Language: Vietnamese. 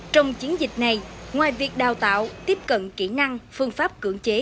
trong chiến dịch này ngoài việc đào tạo tiếp cận kỹ năng phương pháp cưỡng chế